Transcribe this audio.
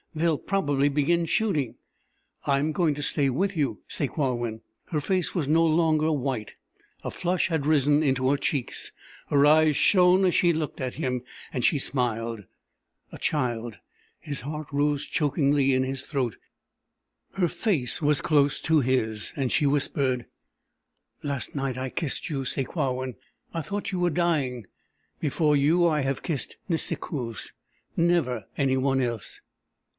"They will probably begin shooting...." "I'm going to stay with you, Sakewawin." Her face was no longer white. A flush had risen into her cheeks, her eyes shone as she looked at him and she smiled. A child! His heart rose chokingly in his throat. Her face was close to his, and she whispered: "Last night I kissed you, Sakewawin. I thought you were dying. Before you, I have kissed Nisikoos. Never any one else."